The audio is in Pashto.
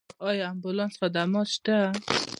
آیا امبولانس خدمات شته؟